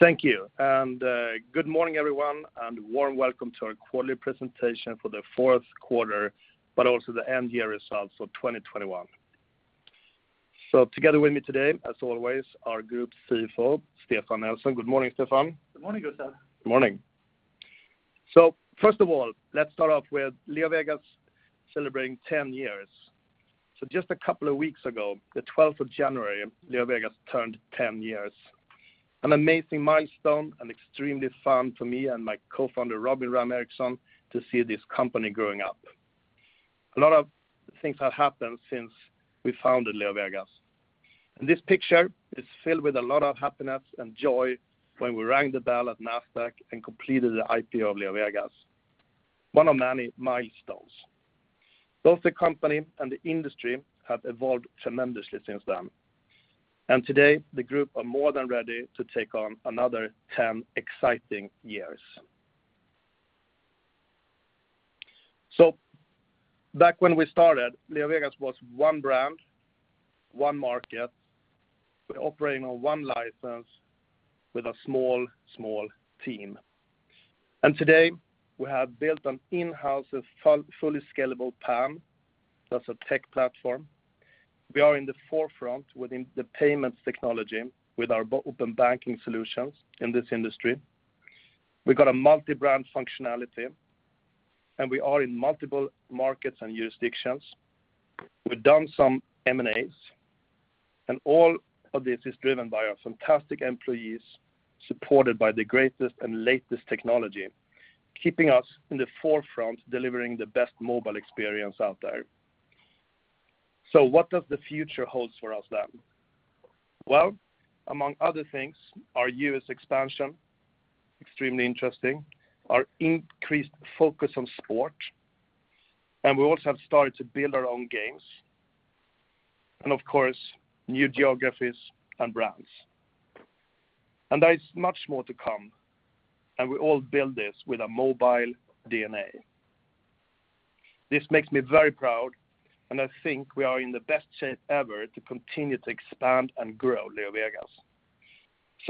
Thank you. Good morning everyone, and warm welcome to our quarterly presentation for the fourth quarter, but also the end year results for 2021. Together with me today, as always, our Group CFO, Stefan Nelson. Good morning, Stefan. Good morning, Gustaf. Good morning. First of all, let's start off with LeoVegas celebrating 10 years. Just a couple of weeks ago, the twelfth of January, LeoVegas turned 10 years. An amazing milestone and extremely fun for me and my co-founder Robin Ramm-Ericson to see this company growing up. A lot of things have happened since we founded LeoVegas. This picture is filled with a lot of happiness and joy when we rang the bell at Nasdaq and completed the IPO of LeoVegas. One of many milestones. Both the company and the industry have evolved tremendously since then. Today, the group are more than ready to take on another 10 exciting years. Back when we started, LeoVegas was one brand, one market. We're operating on one license with a small team. Today, we have built an in-house, fully scalable PAM, that's a tech platform. We are in the forefront within the payments technology with our open banking solutions in this industry. We've got a multi-brand functionality, and we are in multiple markets and jurisdictions. We've done some M&As, and all of this is driven by our fantastic employees, supported by the greatest and latest technology, keeping us in the forefront, delivering the best mobile experience out there. What does the future holds for us then? Well, among other things, our U.S. expansion, extremely interesting, our increased focus on sport, and we also have started to build our own games, and of course, new geographies and brands. There is much more to come, and we all build this with a mobile DNA. This makes me very proud, and I think we are in the best shape ever to continue to expand LeoVegas.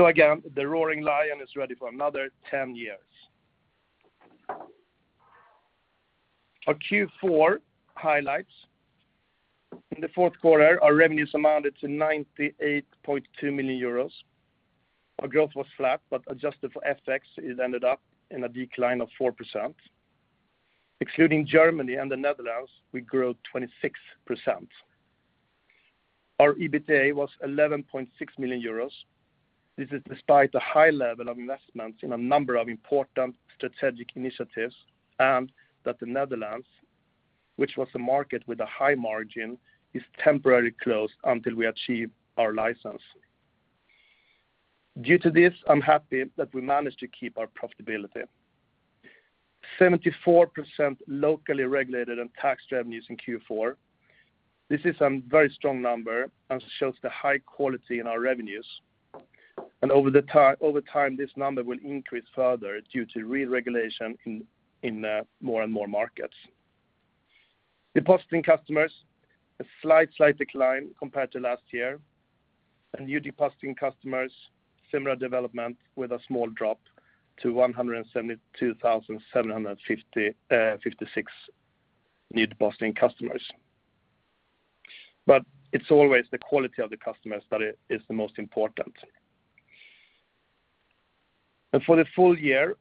Again, the roaring lion is ready for another ten years. Our Q4 highlights. In the fourth quarter, our revenues amounted to 98.2 million euros. Our growth was flat, but adjusted for FX, it ended up in a decline of 4%. Excluding Germany and the Netherlands, we grew 26%. Our EBITDA was 11.6 million euros. This is despite the high level of investments in a number of important strategic initiatives, and that the Netherlands, which was a market with a high margin, is temporarily closed until we achieve our license. Due to this, I'm happy that we managed to keep our profitability. 74% locally regulated and taxed revenues in Q4. This is a very strong number and shows the high quality in our revenues. Over time, this number will increase further due to re-regulation in more and more markets. Depositing customers, a slight decline compared to last year. New depositing customers, similar development with a small drop to 172,756 new depositing customers. But it's always the quality of the customers that is the most important. For the full year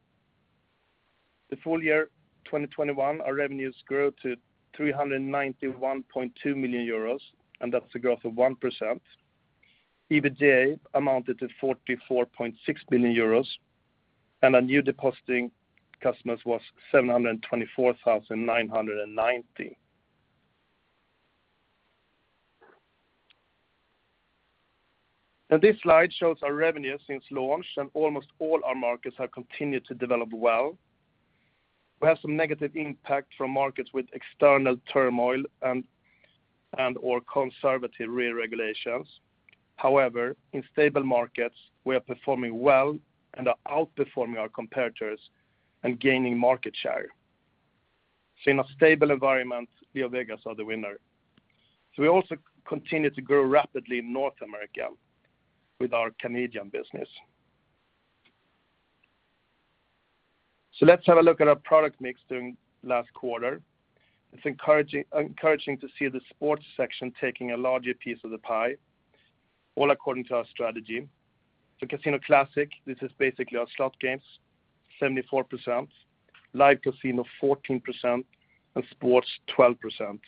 2021, our revenues grew to 391.2 million euros, and that's a growth of 1%. EBITDA amounted to 44.6 million euros, and our new depositing customers was 724,990. Now this slide shows our revenue since launch, and almost all our markets have continued to develop well. We have some negative impact from markets with external turmoil and/or conservative re-regulations. However, in stable markets, we are performing well and are outperforming our competitors and gaining market share. In a stable environment, LeoVegas are the winner. We also continue to grow rapidly in North America with our Canadian business. Let's have a look at our product mix during last quarter. It's encouraging to see the sports section taking a larger piece of the pie, all according to our strategy. The Casino Classic, this is basically our slot games, 74%. Live Casino, 14%, and Sports, 12%.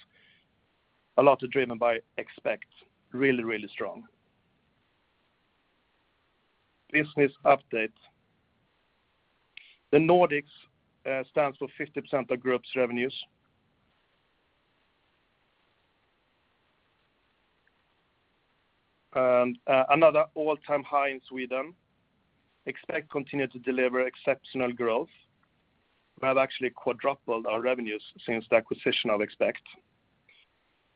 A lot is driven by Expekt. Really strong. Business update. The Nordics stands for 50% of group's revenues. Another all-time high in Sweden. Expekt continued to deliver exceptional growth. We have actually quadrupled our revenues since the acquisition of Expekt.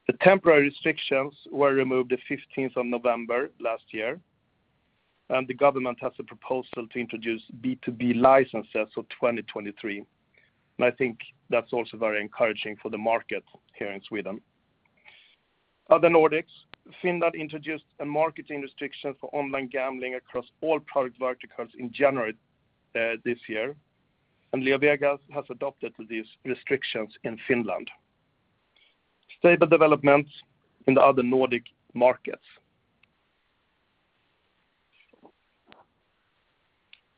The temporary restrictions were removed the fifteenth of November last year, and the government has a proposal to introduce B2B licenses for 2023. I think that's also very encouraging for the market here in Sweden. Other Nordics. Finland introduced a marketing restriction for online gambling across all product verticals in January this year, and LeoVegas has adopted these restrictions in Finland. Stable developments in the other Nordic markets.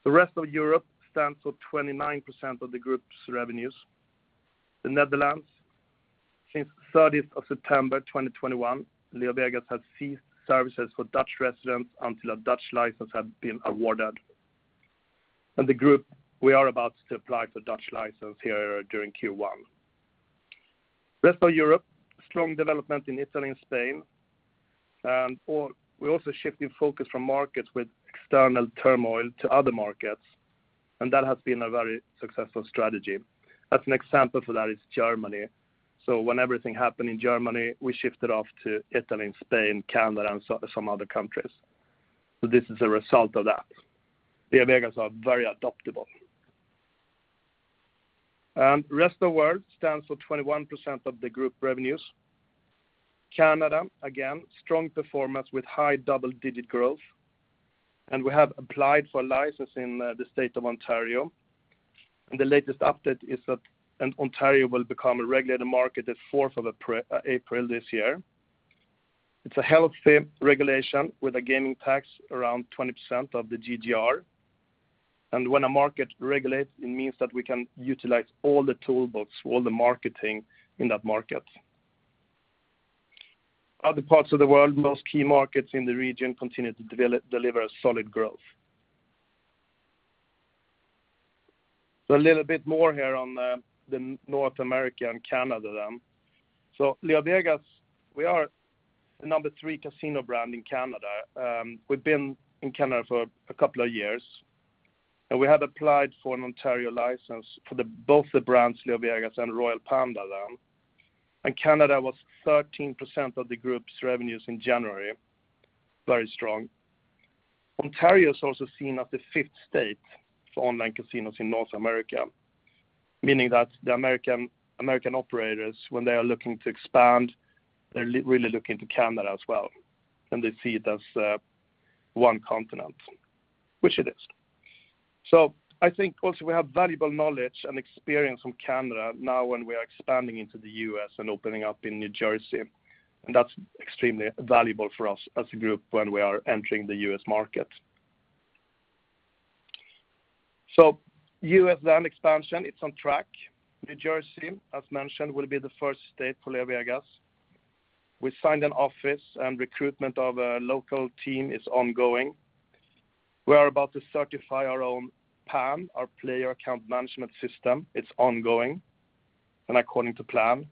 The rest of Europe stands for 29% of the group's revenues. The Netherlands, since 13th of September 2021, LeoVegas has ceased services for Dutch residents until a Dutch license has been awarded. The group, we are about to apply for Dutch license here during Q1. Rest of Europe, strong development in Italy and Spain. Or we're also shifting focus from markets with external turmoil to other markets, and that has been a very successful strategy. As an example for that is Germany. When everything happened in Germany, we shifted off to Italy and Spain, Canada, and some other countries. This is a result of that. LeoVegas are very adaptable. Rest of World stands for 21% of the group revenues. Canada, again, strong performance with high double-digit growth, and we have applied for a license in the state of Ontario. The latest update is that Ontario will become a regulated market the fourth of April this year. It's a healthy regulation with a gaming tax around 20% of the GGR. When a market regulates, it means that we can utilize all the toolbox, all the marketing in that market. Other parts of the world, most key markets in the region continue to deliver a solid growth. A little bit more here on the North America and Canada then. LeoVegas, we are the number three casino brand in Canada. We've been in Canada for a couple of years, and we have applied for an Ontario license for both the brands LeoVegas and Royal Panda then. Canada was 13% of the group's revenues in January. Very strong. Ontario is also seen as the fifth state for online casinos in North America, meaning that the American operators, when they are looking to expand, they're really looking to Canada as well, and they see it as one continent, which it is. I think also we have valuable knowledge and experience from Canada now when we are expanding into the U.S. and opening up in New Jersey, and that's extremely valuable for us as a group when we are entering the U.S. market. U.S. expansion, it's on track. New Jersey, as mentioned, will be the first state for LeoVegas. We signed an office and recruitment of a local team is ongoing. We are about to certify our own PAM, our Player Account Management system. It's ongoing and according to plan.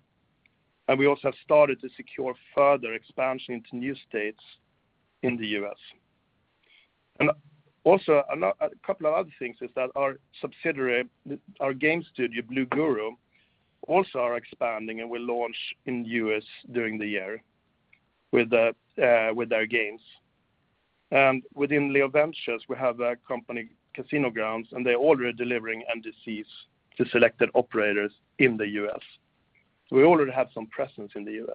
We also have started to secure further expansion into new states in the U.S. A couple of other things is that our subsidiary, our game studio, Blue Guru Games, also are expanding, and will launch in U.S. during the year with their games. Within LeoVentures, we have a company, CasinoGrounds, and they're already delivering MDC's to selected operators in the U.S. We already have some presence in the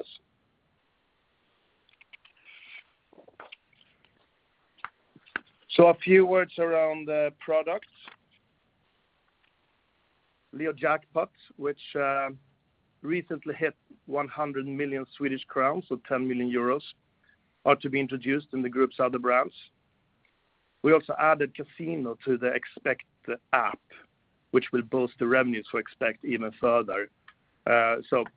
U.S. A few words around the products. LeoJackpot, which recently hit 100 million Swedish crowns, so 10 million euros, are to be introduced in the group's other brands. We also added casino to the Expekt app, which will boost the revenues for Expekt even further.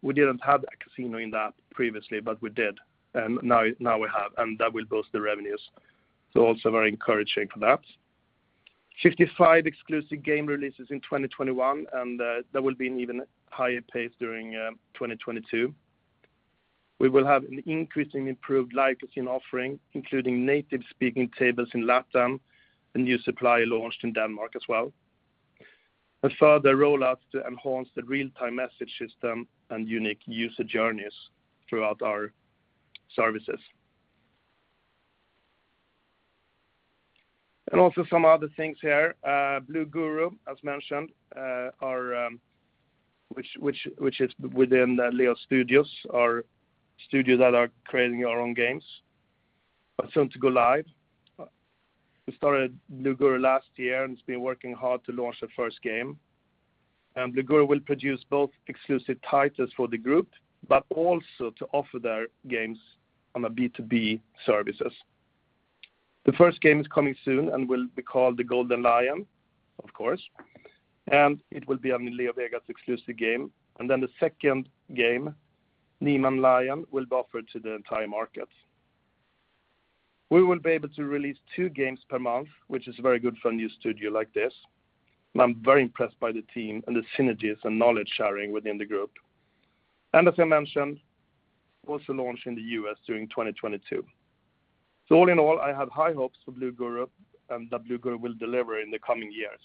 We didn't have a casino in the app previously, but we do. Now we have, and that will boost the revenues. Also very encouraging for that. 55 exclusive game releases in 2021, and there will be an even higher pace during 2022. We will have an increasingly improved Live Casino offering, including native speaking tables in LATAM, a new supplier launched in Denmark as well. A further rollout to enhance the real-time message system and unique user journeys throughout our services. Also some other things here. Blue Guru, as mentioned, which is within the Leo Studios, our studio that are creating our own games, are soon to go live. We started Blue Guru last year, and it's been working hard to launch the first game. Blue Guru will produce both exclusive titles for the group, but also to offer their games on a B2B services. The first game is coming soon and will be called The Golden Lion, of course, and it will be a LeoVegas exclusive game. Then the second game, Neon Lion, will be offered to the entire market. We will be able to release two games per month, which is very good for a new studio like this. I'm very impressed by the team and the synergies and knowledge sharing within the group. As I mentioned, also launch in the U.S. during 2022. All in all, I have high hopes for Blue Guru and that Blue Guru will deliver in the coming years.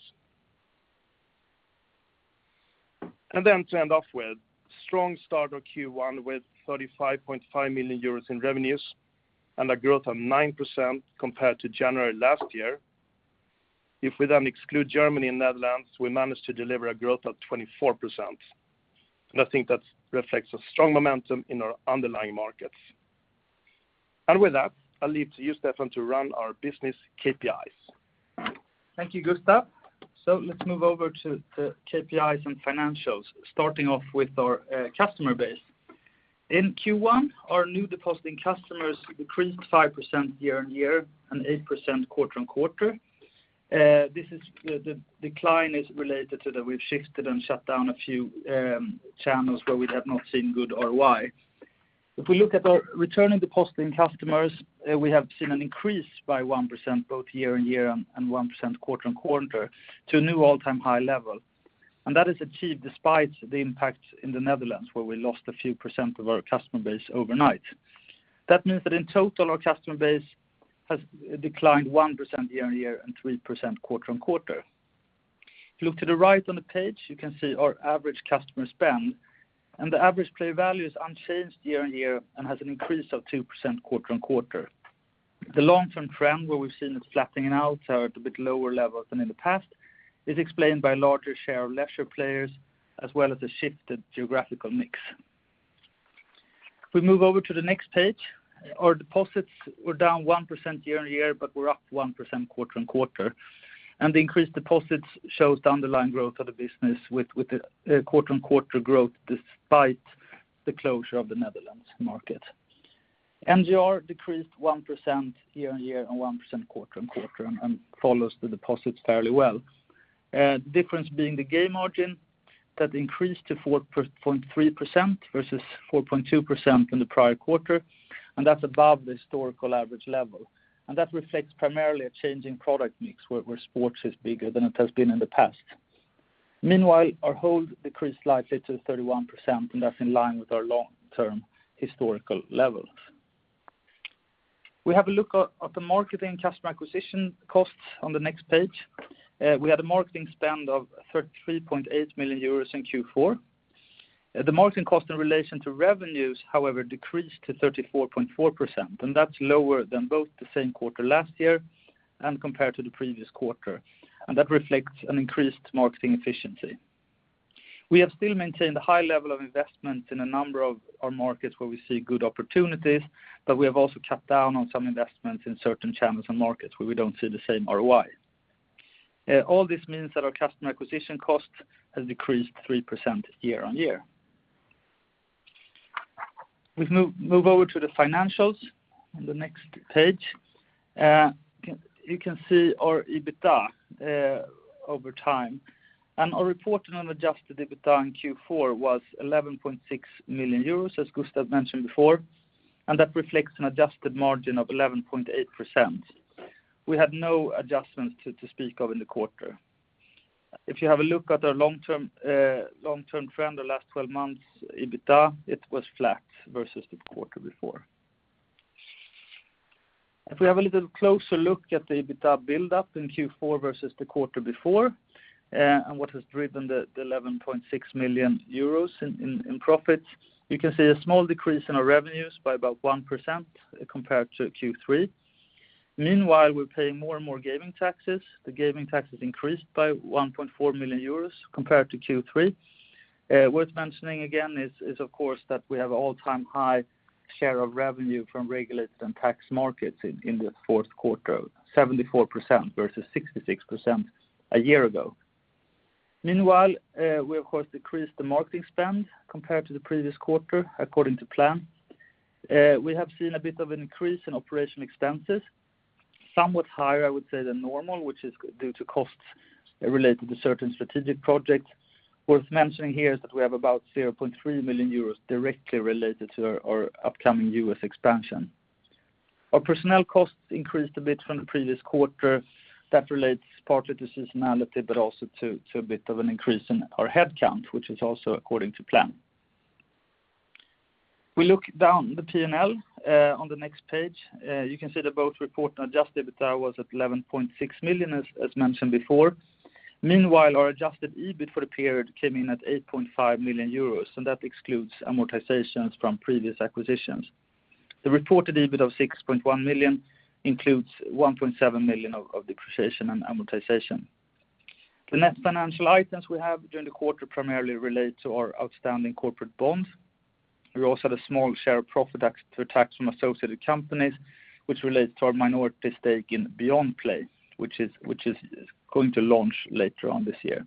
Then to end off with, strong start of Q1 with 35.5 million euros in revenues and a growth of 9% compared to January last year. If we then exclude Germany and Netherlands, we managed to deliver a growth of 24%. I think that reflects a strong momentum in our underlying markets. With that, I'll leave to you, Stefan, to run our business KPIs. Thank you, Gustaf. Let's move over to the KPIs and financials, starting off with our customer base. In Q1, our new depositing customers decreased 5% year-on-year and 8% quarter-on-quarter. The decline is related to that we've shifted and shut down a few channels where we have not seen good ROI. If we look at our returning depositing customers, we have seen an increase by 1% both year-on-year and 1% quarter-on-quarter to a new all-time high level. That is achieved despite the impact in the Netherlands, where we lost a few percent of our customer base overnight. That means that in total, our customer base has declined 1% year-on-year and 3% quarter-on-quarter. If you look to the right on the page, you can see our average customer spend, and the average play value is unchanged year-on-year and has an increase of 2% quarter-on-quarter. The long-term trend where we've seen it flattening out are at a bit lower level than in the past is explained by a larger share of leisure players as well as a shifted geographical mix. If we move over to the next page, our deposits were down 1% year-on-year, but were up 1% quarter-on-quarter. The increased deposits shows the underlying growth of the business with the quarter-on-quarter growth despite the closure of the Netherlands market. NGR decreased 1% year-on-year and 1% quarter-on-quarter and follows the deposits fairly well. The difference being the game margin that increased to 4.3% versus 4.2% in the prior quarter, and that's above the historical average level. That reflects primarily a change in product mix where sports is bigger than it has been in the past. Meanwhile, our hold decreased slightly to 31%, and that's in line with our long-term historical levels. We have a look at the marketing customer acquisition costs on the next page. We had a marketing spend of 33.8 million euros in Q4. The marketing cost in relation to revenues, however, decreased to 34.4%, and that's lower than both the same quarter last year and compared to the previous quarter. That reflects an increased marketing efficiency. We have still maintained a high level of investment in a number of our markets where we see good opportunities, but we have also cut down on some investments in certain channels and markets where we don't see the same ROI. All this means that our customer acquisition cost has decreased 3% year-over-year. We move over to the financials on the next page. You can see our EBITDA over time. Our reported unadjusted EBITDA in Q4 was 11.6 million euros, as Gustaf mentioned before, and that reflects an adjusted margin of 11.8%. We had no adjustments to speak of in the quarter. If you have a look at our long-term trend, the last 12 months EBITDA, it was flat versus the quarter before. If we have a little closer look at the EBITDA build-up in Q4 versus the quarter before, and what has driven the 11.6 million euros in profits, you can see a small decrease in our revenues by about 1% compared to Q3. We're paying more and more gaming taxes. The gaming taxes increased by 1.4 million euros compared to Q3. Worth mentioning again is of course that we have all-time high share of revenue from regulated and taxed markets in the fourth quarter, 74% versus 66% a year ago. Meanwhile, we of course decreased the marketing spend compared to the previous quarter according to plan. We have seen a bit of an increase in operational expenses, somewhat higher, I would say, than normal, which is due to costs related to certain strategic projects. Worth mentioning here is that we have about 0.3 million euros directly related to our upcoming U.S. expansion. Our personnel costs increased a bit from the previous quarter. That relates partly to seasonality, but also to a bit of an increase in our headcount, which is also according to plan. We look down the P&L on the next page. You can see that both reported and adjusted EBITDA was at 11.6 million as mentioned before. Meanwhile, our adjusted EBIT for the period came in at 8.5 million euros, and that excludes amortizations from previous acquisitions. The reported EBIT of 6.1 million includes 1.7 million of depreciation and amortization. The net financial items we have during the quarter primarily relate to our outstanding corporate bonds. We also had a small share of profit after tax from associated companies, which relates to our minority stake in BeyondPlay, which is going to launch later on this year.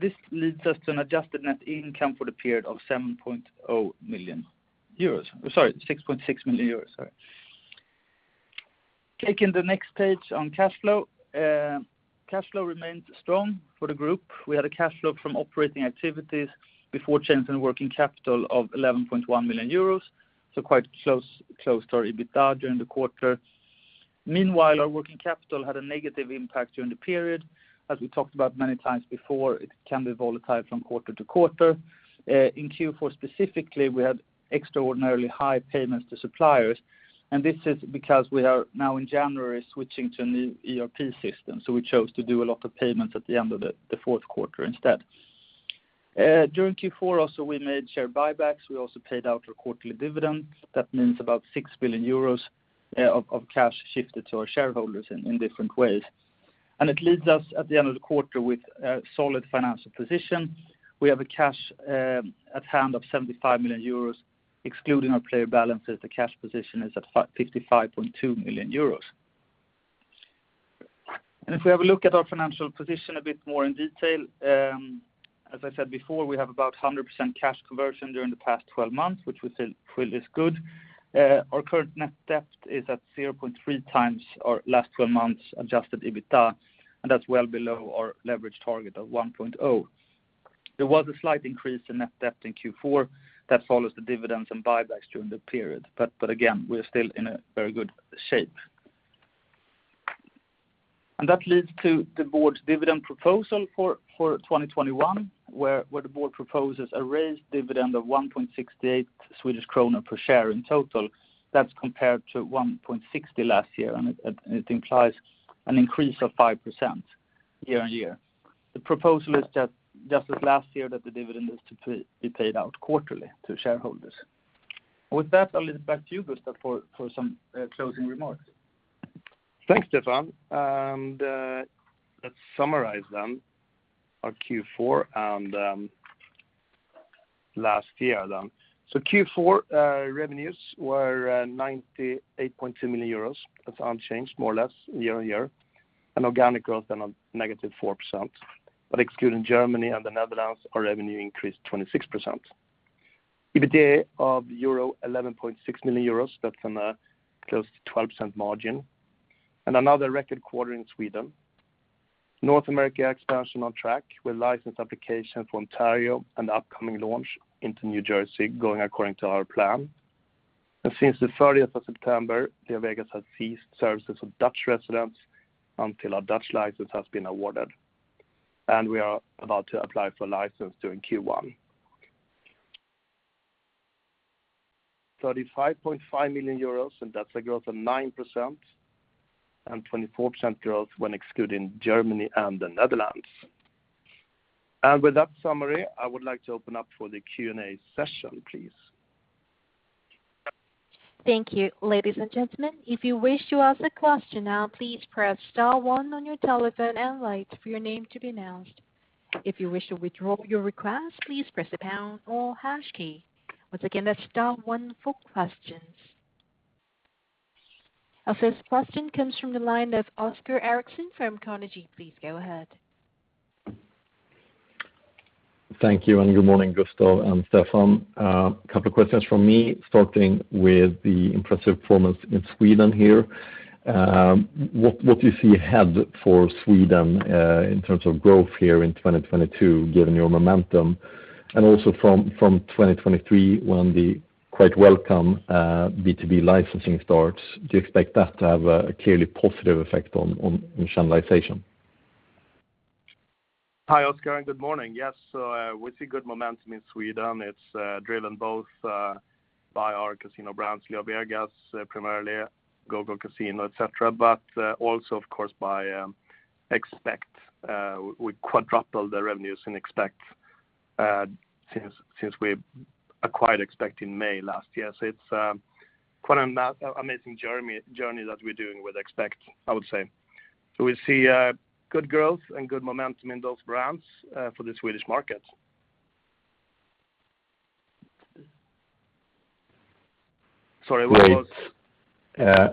This leads us to an adjusted net income for the period of 7.0 million euros. Sorry, 6.6 million euros, sorry. Taking the next page on cash flow. Cash flow remained strong for the group. We had a cash flow from operating activities before change in working capital of 11.1 million euros, so quite close to our EBITDA during the quarter. Meanwhile, our working capital had a negative impact during the period. As we talked about many times before, it can be volatile from quarter to quarter. In Q4 specifically, we had extraordinarily high payments to suppliers, and this is because we are now in January switching to a new ERP system, so we chose to do a lot of payments at the end of the fourth quarter instead. During Q4 also we made share buybacks. We also paid out our quarterly dividends. That means about 6 billion euros of cash shifted to our shareholders in different ways. It leads us at the end of the quarter with a solid financial position. We have a cash at hand of 75 million euros, excluding our player balances, the cash position is at 55.2 million euros. If we have a look at our financial position a bit more in detail, as I said before, we have about 100% cash conversion during the past 12 months, which we think really is good. Our current net debt is at 0.3x our last 12 months adjusted EBITA, and that's well below our leverage target of 1.0. There was a slight increase in net debt in Q4 that follows the dividends and buybacks during the period. Again, we're still in a very good shape. That leads to the board's dividend proposal for 2021, where the board proposes a raised dividend of 1.68 Swedish kronor per share in total. That's compared to 1.60 SEK last year, and it implies an increase of 5% year-over-year. The proposal is that just as last year that the dividend is to be paid out quarterly to shareholders. With that, I'll leave it back to you, Gustaf, for some closing remarks. Thanks, Stefan. Let's summarize our Q4 and last year then. Q4 revenues were 98.2 million euros. That's unchanged more or less year-on-year, an organic growth of -4%. Excluding Germany and The Netherlands, our revenue increased 26%. EBITA of 11.6 million euros. That's on a close to 12% margin. Another record quarter in Sweden. North America expansion on track with license application for Ontario and upcoming launch into New Jersey going according to our plan. Since the 30th of September, LeoVegas has ceased services to Dutch residents until our Dutch license has been awarded. We are about to apply for license during Q1. 35.5 million euros, and that's a growth of 9% and 24% growth when excluding Germany and The Netherlands. With that summary, I would like to open up for the Q&A session, please. Our first question comes from the line of Oscar Erixon from Carnegie. Please go ahead. Thank you, and good morning, Gustaf and Stefan. A couple of questions from me, starting with the impressive performance in Sweden here. What do you see ahead for Sweden in terms of growth here in 2022, given your momentum? Also from 2023 when the quite welcome B2B licensing starts, do you expect that to have a clearly positive effect on channelization? Hi, Oscar, and good morning. Yes, we see good momentum in Sweden. It's driven both by our casino brands, LeoVegas, primarily GoGo Casino, et cetera, but also of course by Expekt. We quadrupled the revenues in Expekt since we acquired Expekt in May last year. It's quite an amazing journey that we're doing with Expekt, I would say. We see good growth and good momentum in those brands for the Swedish market. Sorry, what was- Great.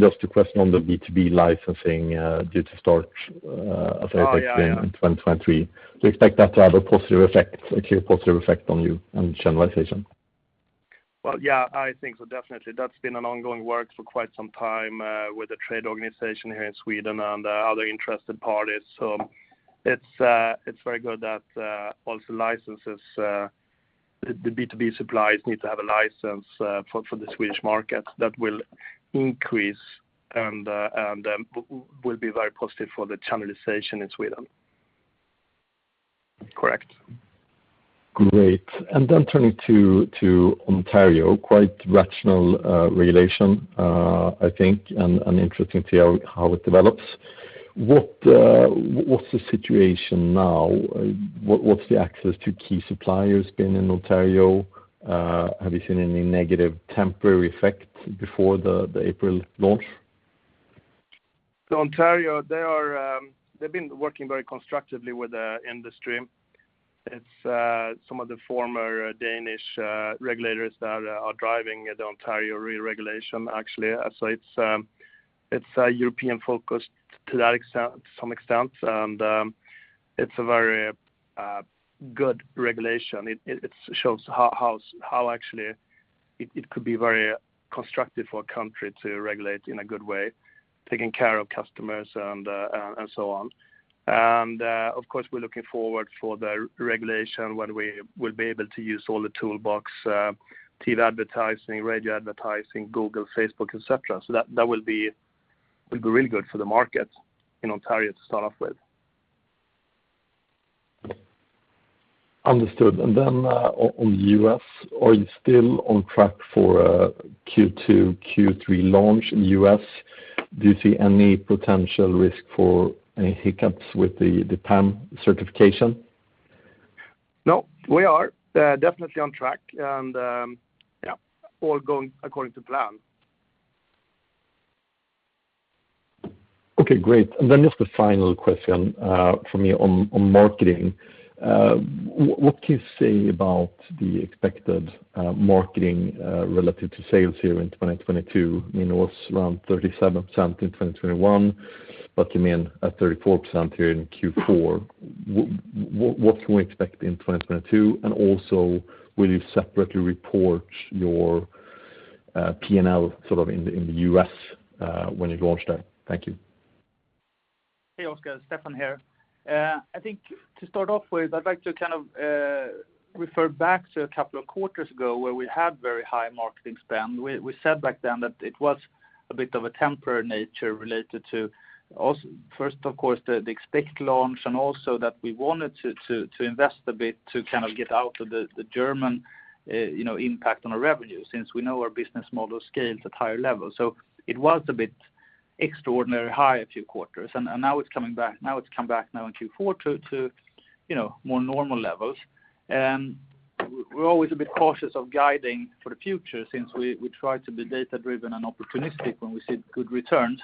Just a question on the B2B licensing due to start. Oh, yeah... as I explained in 2023. Do you expect that to have a positive effect, a clear positive effect on you and channelization? Well, yeah, I think so, definitely. That's been an ongoing work for quite some time with the trade organization here in Sweden and the other interested parties. It's very good that the B2B suppliers need to have a license for the Swedish market. That will increase and will be very positive for the channelization in Sweden. Correct. Great. Then turning to Ontario, quite rational regulation, I think, and interesting to hear how it develops. What's the situation now? What's the access to key suppliers been in Ontario? Have you seen any negative temporary effect before the April launch? Ontario, they are, they've been working very constructively with the industry. It's some of the former Danish regulators that are driving the Ontario re-regulation, actually. It's a European-focused to that extent, to some extent. It's a very good regulation. It shows how actually it could be very constructive for a country to regulate in a good way, taking care of customers and so on. Of course, we're looking forward for the regulation, whether we will be able to use all the toolbox, TV advertising, radio advertising, Google, Facebook, et cetera. That will be really good for the market in Ontario to start off with. Understood. On U.S., are you still on track for a Q2, Q3 launch in U.S.? Do you see any potential risk for any hiccups with the PAM certification? No, we are definitely on track and, yeah, all going according to plan. Okay, great. Then just a final question from me on marketing. What can you say about the expected marketing relative to sales here in 2022? I mean, it was around 37% in 2021, but you mean at 34% here in Q4. What can we expect in 2022? And also will you separately report your P&L sort of in the U.S. when you launch that? Thank you. Hey, Oscar. Stefan here. I think to start off with, I'd like to kind of refer back to a couple of quarters ago where we had very high marketing spend. We said back then that it was a bit of a temporary nature related to first of course, the expected launch and also that we wanted to invest a bit to kind of get out of the German, you know, impact on our revenue since we know our business model scales at higher levels. So it was a bit extraordinary high a few quarters, and now it's coming back. Now it's come back now in Q4 to, you know, more normal levels. We're always a bit cautious of guiding for the future since we try to be data-driven and opportunistic when we see good returns.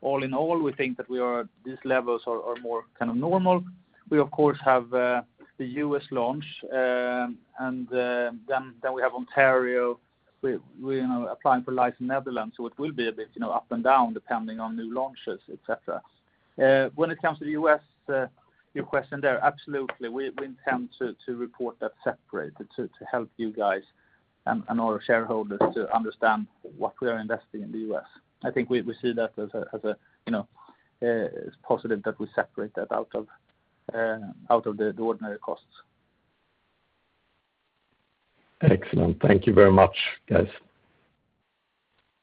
All in all, we think that these levels are more kind of normal. We of course have the U.S. launch, and then we have Ontario. We are applying for a license in the Netherlands, so it will be a bit you know up and down depending on new launches, et cetera. When it comes to the U.S., your question there, absolutely, we intend to report that separately to help you guys and our shareholders to understand what we are investing in the U.S. I think we see that as a you know as positive that we separate that out of the ordinary costs. Excellent. Thank you very much, guys.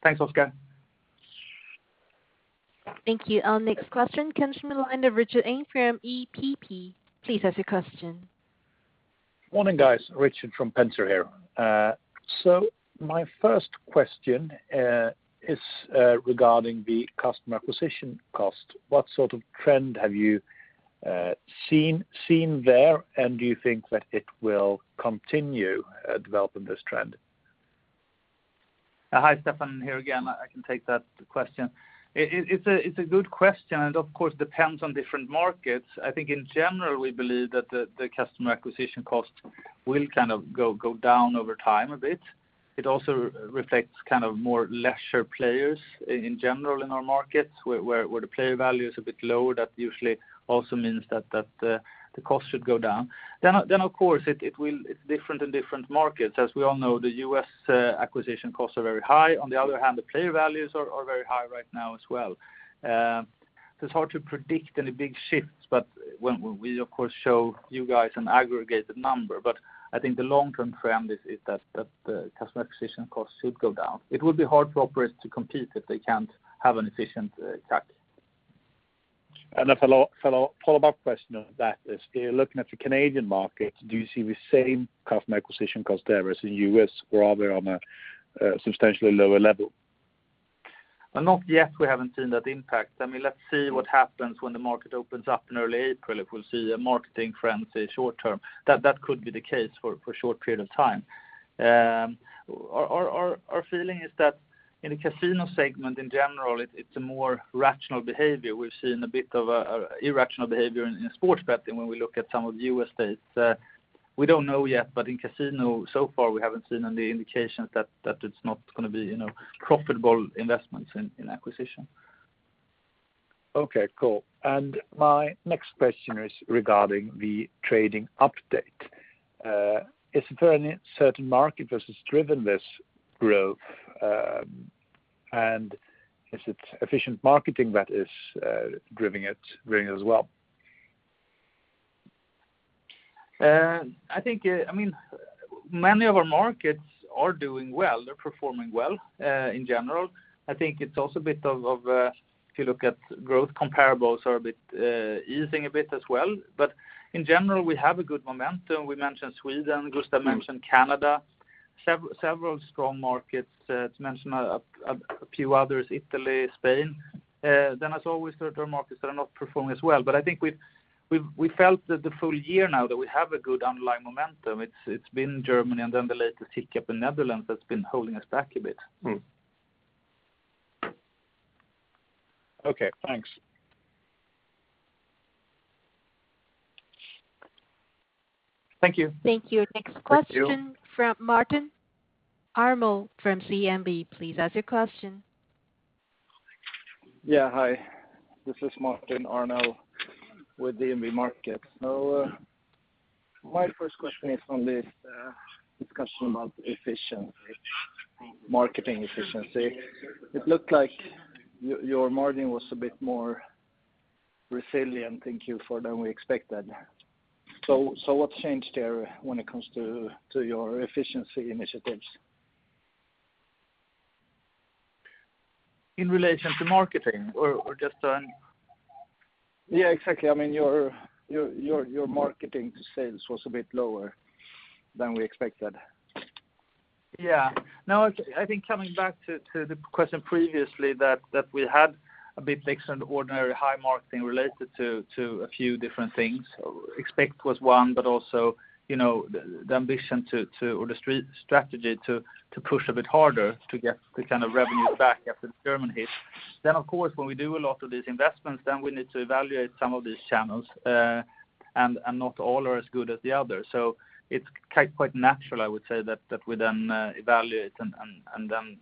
Thanks, Oscar. Thank you. Our next question comes from the line of Richard [Ink] from EPP. Please ask your question. Morning, guys. Richard from Enternere here. My first question is regarding the customer acquisition cost. What sort of trend have you seen there, and do you think that it will continue developing this trend? Hi, Stefan here again. I can take that question. It's a good question, and of course depends on different markets. I think in general, we believe that the customer acquisition cost will kind of go down over time a bit. It also reflects kind of more leisure players in general in our markets where the player value is a bit lower. That usually also means that the cost should go down. Of course it will, it's different in different markets. As we all know, the U.S. acquisition costs are very high. On the other hand, the player values are very high right now as well. It's hard to predict any big shifts, but when we of course show you guys an aggregated number. I think the long term trend is that customer acquisition costs should go down. It would be hard for operators to compete if they can't have an efficient track. A follow-up question on that is if you're looking at the Canadian markets, do you see the same customer acquisition cost there as in the U.S. or are they on a substantially lower level? Not yet we haven't seen that impact. I mean, let's see what happens when the market opens up in early April if we'll see a marketing frenzy short term. That could be the case for a short period of time. Our feeling is that in the casino segment in general, it's a more rational behavior. We've seen a bit of irrational behavior in sports betting when we look at some of the U.S. states. We don't know yet, but in casino so far we haven't seen any indications that it's not gonna be, you know, profitable investments in acquisition. Okay, cool. My next question is regarding the trading update. Is there any certain market that has driven this growth? Is it efficient marketing that is driving it as well? I think, I mean, many of our markets are doing well. They're performing well, in general. I think it's also a bit of if you look at growth comparables are a bit easing a bit as well. In general, we have a good momentum. We mentioned Sweden, Gustaf mentioned Canada, several strong markets. To mention a few others, Italy, Spain. As always there are markets that are not performing as well. I think we've felt that the full year now that we have a good underlying momentum. It's been Germany and then the latest hiccup in Netherlands that's been holding us back a bit. Okay, thanks. Thank you. Thank you. Next question from Martin Arnell from DNB. Please ask your question. Yeah. Hi, this is Martin Arnell with DNB Markets. My first question is on this discussion about efficiency, marketing efficiency. It looked like your margin was a bit more resilient in Q4 than we expected. What changed there when it comes to your efficiency initiatives? In relation to marketing or just an- Yeah, exactly. I mean, your marketing to sales was a bit lower than we expected. Yeah. No, I think coming back to the question previously that we had a bit mixed and ordinarily high marketing related to a few different things. Expekt was one, but also, you know, the ambition or the strategy to push a bit harder to get the kind of revenue back after the German hit. Of course, when we do a lot of these investments, we need to evaluate some of these channels and then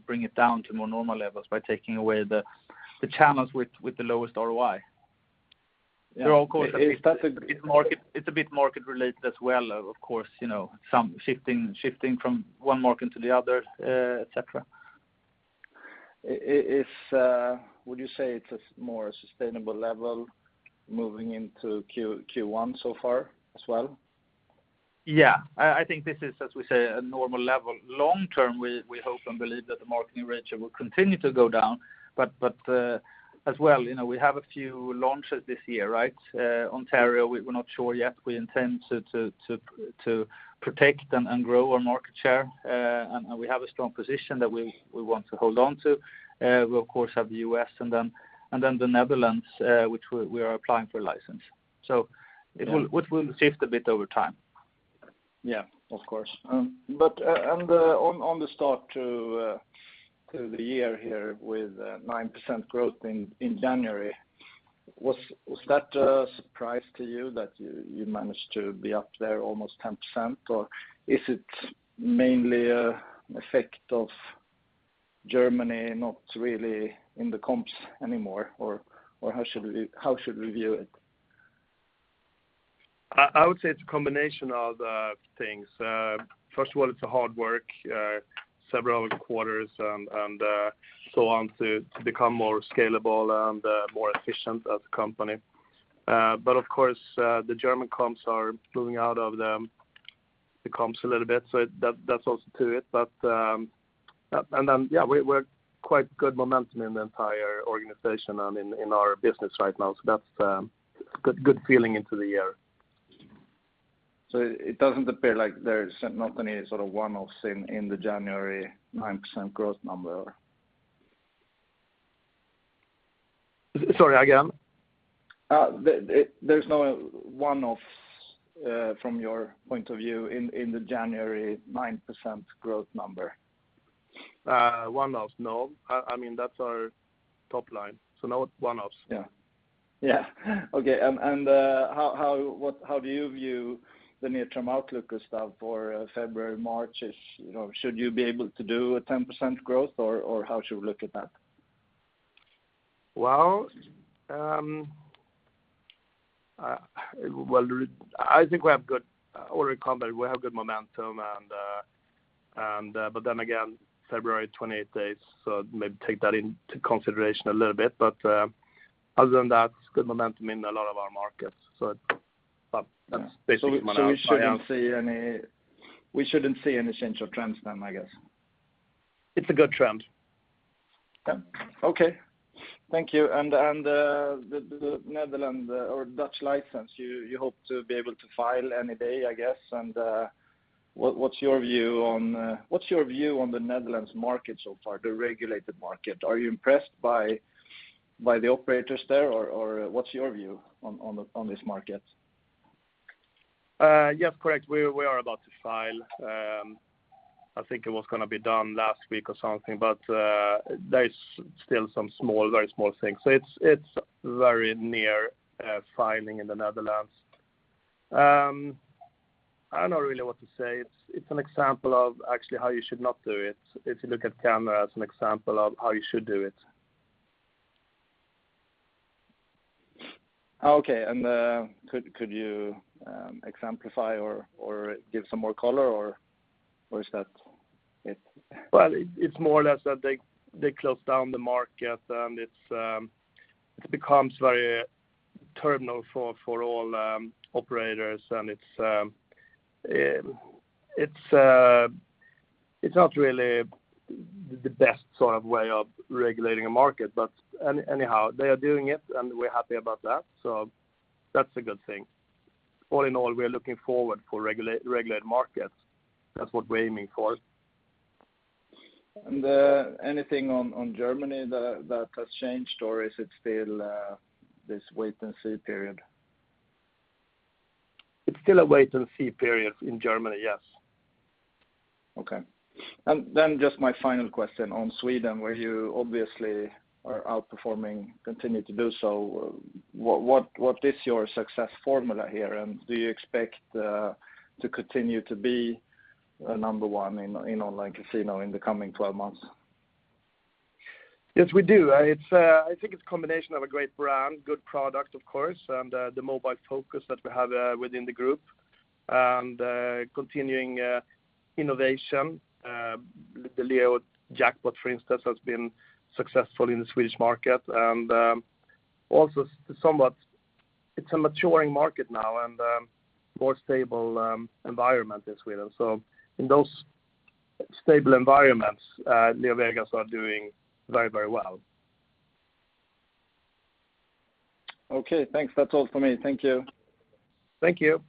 bring it down to more normal levels by taking away the channels with the lowest ROI. Yeah. There are, of course. Is that a g- It's market, it's a bit market related as well, of course, you know, some shifting from one market to the other, et cetera. Would you say it's a more sustainable level moving into Q1 so far as well? Yeah. I think this is, as we say, a normal level. Long term, we hope and believe that the marketing ratio will continue to go down. As well, you know, we have a few launches this year, right? Ontario, we’re not sure yet. We intend to protect and grow our market share, and we have a strong position that we want to hold on to. We of course have the U.S., and then the Netherlands, which we are applying for a license. It will. Yeah. Which will shift a bit over time. Yeah. Of course. On the start of the year here with 9% growth in January, was that a surprise to you that you managed to be up there almost 10%? Or is it mainly an effect of Germany not really in the comps anymore? Or how should we view it? I would say it's a combination of things. First of all, it's a hard work several quarters and so on to become more scalable and more efficient as a company. Of course, the German comps are moving out of the comps a little bit, so that's also to it. We have quite good momentum in the entire organization and in our business right now, so it's a good feeling into the year. It doesn't appear like there's not any sort of one-offs in the January 9% growth number? Sorry, again. There's no one-offs, from your point of view in the January 9% growth number? One-offs? No. I mean, that's our top line, so no one-offs. How do you view the near-term outlook, Gustaf, for February, March? You know, should you be able to do 10% growth, or how should we look at that? Well, I think we have good order of magnitude. We have good momentum, but then again, February 28 days, so maybe take that into consideration a little bit. Other than that, good momentum in a lot of our markets. That's basically my answer. We shouldn't see any change of trends then, I guess. It's a good trend. Yeah. Okay. Thank you. The Netherlands or Dutch license, you hope to be able to file any day, I guess. What's your view on the Netherlands market so far, the regulated market? Are you impressed by the operators there, or what's your view on this market? Yes, correct. We are about to file. I think it was gonna be done last week or something, but there is still some small, very small things. So it's very near, filing in the Netherlands. I don't know really what to say. It's an example of actually how you should not do it, if you look at Canada as an example of how you should do it. Okay. Could you exemplify or give some more color, or is that it? Well, it's more or less that they close down the market and it becomes very terminal for all operators, and it's not really the best sort of way of regulating a market. Anyhow, they are doing it, and we're happy about that, so that's a good thing. All in all, we are looking forward for regulated markets. That's what we're aiming for. Anything on Germany that has changed, or is it still this wait and see period? It's still a wait and see period in Germany, yes. Okay. Just my final question on Sweden, where you obviously are outperforming, continue to do so. What is your success formula here? Do you expect to continue to be the number one in online casino in the coming 12 months? Yes, we do. It's, I think it's a combination of a great brand, good product, of course, and the mobile focus that we have within the group, and continuing innovation. The LeoJackpot, for instance, has been successful in the Swedish market. Also it's a maturing market now and more stable environment in Sweden. In those stable environments, LeoVegas are doing very, very well. Okay, thanks. That's all for me. Thank you. Thank you.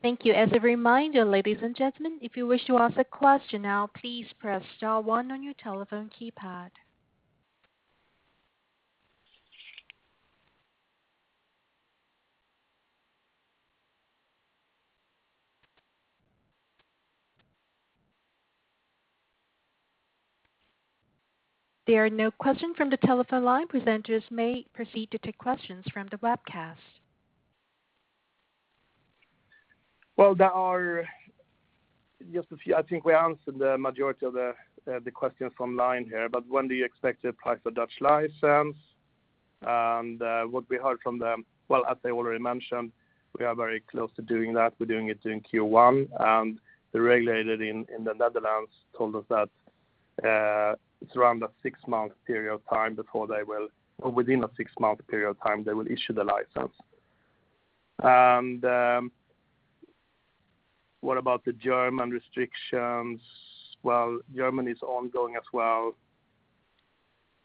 Thank you. As a reminder, ladies and gentlemen, if you wish to ask a question now, please press star one on your telephone keypad. There are no questions from the telephone line. Presenters may proceed to take questions from the webcast. Well, there are just a few. I think we answered the majority of the questions online here, but when do you expect the process of Dutch license? And what we heard from them. Well, as I already mentioned, we are very close to doing that. We're doing it in Q1. The regulator in the Netherlands told us that it's around a six-month period of time or within a six-month period of time, they will issue the license. What about the German restrictions? Well, Germany is ongoing as well.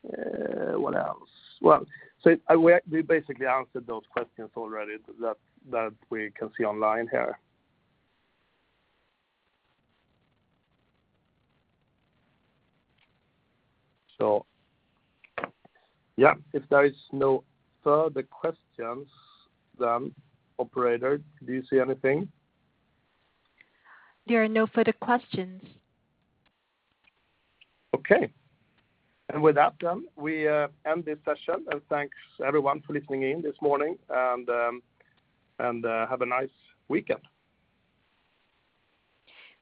What else? Well, we basically answered those questions already that we can see online here. Yeah, if there is no further questions, then operator, do you see anything? There are no further questions. Okay. With that, we end this session. Thanks, everyone, for listening in this morning, and have a nice weekend.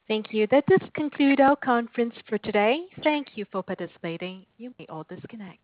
Thank you. That does conclude our conference for today. Thank you for participating. You may all disconnect.